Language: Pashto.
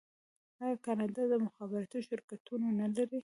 آیا کاناډا د مخابراتو شرکتونه نلري؟